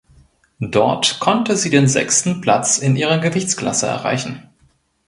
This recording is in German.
Dort konnte sie den sechsten Platz in ihrer Gewichtsklasse erreichen.